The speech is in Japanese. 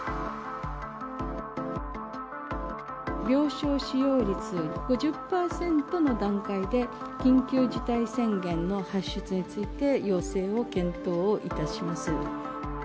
病床使用率５０％の段階で、緊急事態宣言の発出について要請を検討をいたします。